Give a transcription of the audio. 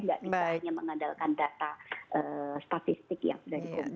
jadi tidak hanya mengandalkan data statistik yang sudah dikumpulkan oleh